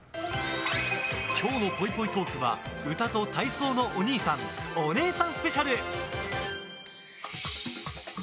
今日のぽいぽいトークは歌と体操のおにいさんおねえさんスペシャル！